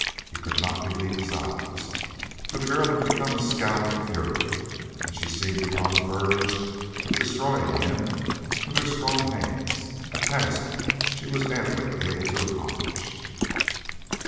He could not believe his eyes, for the girl had become a scowling fury, and she seemed upon the verge of destroying him with her strong hands, a task she was amply able to accomplish.